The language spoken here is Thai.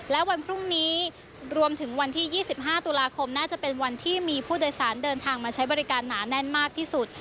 และวันพรุ่งนี้รวมถึงวันที่๒๕ตุลาคมน่าจะเป็นวันที่มีผู้โดยสารเดินทางมาใช้บริการหนาแน่นมากที่สุด